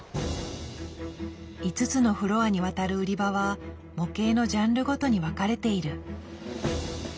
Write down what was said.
５つのフロアにわたる売り場は模型のジャンルごとに分かれている。